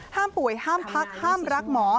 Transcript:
ป่วยห้ามพักห้ามรักหมอ